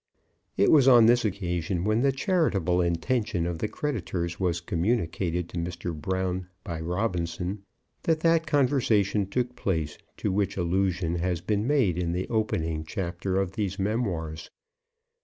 It was on this occasion, when the charitable intention of the creditors was communicated to Mr. Brown by Robinson, that that conversation took place to which allusion has been made in the opening chapter of these memoirs.